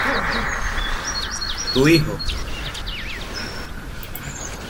Tu hijo.